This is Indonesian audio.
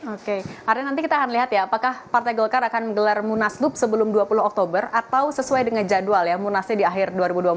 oke artinya nanti kita akan lihat ya apakah partai golkar akan menggelar munaslup sebelum dua puluh oktober atau sesuai dengan jadwal ya munasnya di akhir dua ribu dua puluh